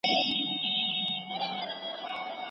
له مشاهدې او آزموينې کار واخلئ.